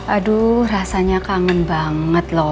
aduh rasanya kangen banget loh